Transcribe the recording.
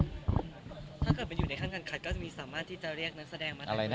ถ้าเกิดมันอยู่ในขั้นการคัดก็จะมีสามารถที่จะเรียกนักแสดงมาแต่งได้